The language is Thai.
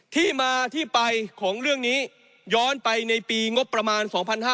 ที่มาที่ไปของเรื่องนี้ย้อนไปในปีงบประมาณ๒๕๕๙